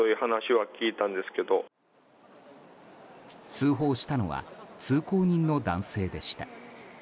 通報したのは通行人の男性でした。